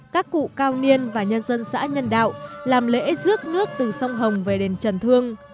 các cụ cao niên và nhân dân xã nhân đạo làm lễ rước nước từ sông hồng về đền trần thương